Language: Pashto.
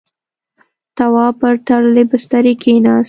تواب پر تړلی بسترې کېناست.